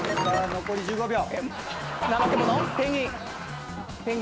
残り５秒！